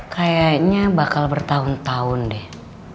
kayaknya bakal bertahun tahun deh